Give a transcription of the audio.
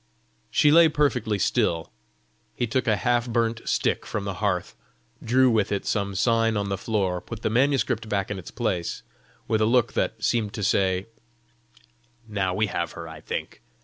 She lay perfectly still. He took a half burnt stick from the hearth, drew with it some sign on the floor, put the manuscript back in its place, with a look that seemed to say, "Now we have her, I think!"